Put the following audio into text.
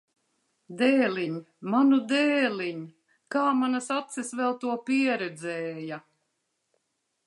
Dēliņ! Manu dēliņ! Kā manas acis vēl to pieredzēja!